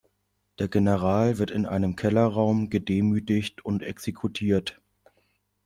Der General wird in einem Kellerraum gedemütigt und exekutiert.